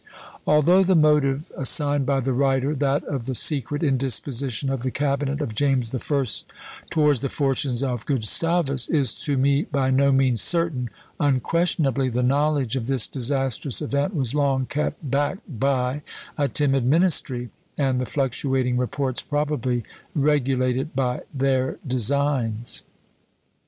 Although the motive assigned by the writer, that of the secret indisposition of the cabinet of James the First towards the fortunes of Gustavus, is to me by no means certain, unquestionably the knowledge of this disastrous event was long kept back by "a timid ministry," and the fluctuating reports probably regulated by their designs.